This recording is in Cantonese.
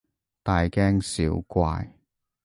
大驚小怪